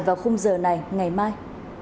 vào khung giờ này ngày mai